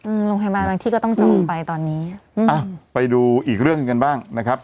อืมโรงพยาบาลบางที่ก็ต้องจองไปตอนนี้อืมอ้าวไปดูอีกเรื่องหนึ่งกันบ้างนะครับ